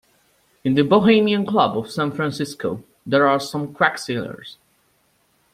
In the Bohemian Club of San Francisco there are some crack sailors.